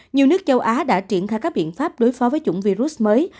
nhiều nước châu á đã triển khai các biện pháp đối phó với chủng virus mới